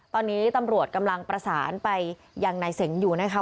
ตอนนี้ตำรวจกำลังประสานไปยังนายเสงอยู่นะคะ